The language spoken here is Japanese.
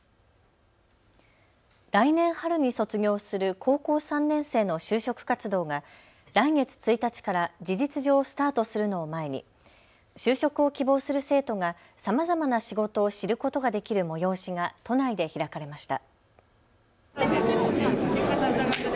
来年春に卒業する高校３年生の就職活動が来月１日から事実上、スタートするのを前に就職を希望する生徒がさまざまな仕事を知ることができる催しが都内で開かれました。